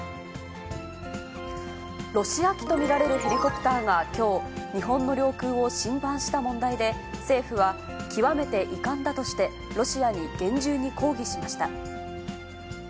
ロシア機と見られるヘリコプターがきょう、日本の領空を侵犯した問題で、政府は、極めて遺憾だとして、ロシアに厳重に抗議しました。